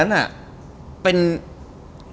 เป็นแมทที่รู้สึกว่าจะแพ้ด้วยนะ